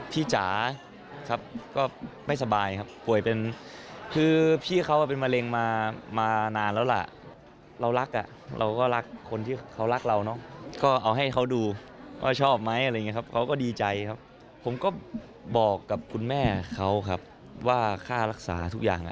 พี่จ๋าครับก็ไม่สบายครับผ่วยเป็นคือพี่ข้าเป็นเมริงมามันนานแล้วล่ะ